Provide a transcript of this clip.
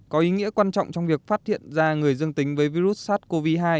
có ý nghĩa quan trọng trong việc phát hiện ra người dương tính với virus sars cov hai